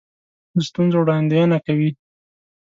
د ستونزو وړاندوینه کوي.